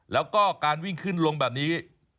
แล้วก็การวิ่งขึ้นลงแบบนี้